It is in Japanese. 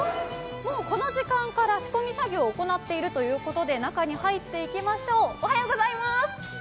もうこの時間から仕込み作業行っているということで中に入っていきましょう。